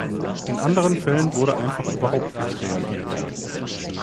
In anderen Fällen wurde einfach überhaupt nicht reagiert.